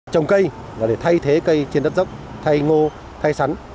trồng cây là để thay thế cây trên đất dốc thay ngô thay sắn